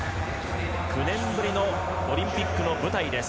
９年ぶりのオリンピックの舞台です。